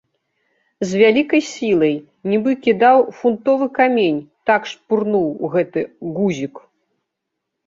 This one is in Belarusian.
З вялікай сілай, нібы кідаў фунтовы камень, так шпурнуў гэты гузік.